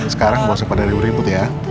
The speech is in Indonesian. sekarang bosan pada ribut ribut ya